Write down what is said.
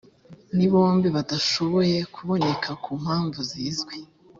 ni bombi badashoboye kuboneka ku mpamvu zizwi